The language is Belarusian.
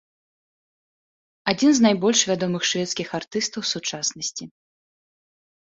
Адзін з найбольш вядомых шведскіх артыстаў сучаснасці.